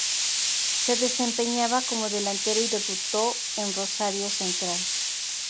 Se desempeñaba como delantero y debutó en Rosario Central.